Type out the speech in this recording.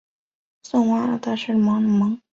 圣瓦阿斯德隆格蒙。